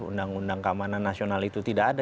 undang undang keamanan nasional itu tidak ada